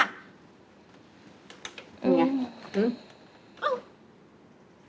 นี่ไง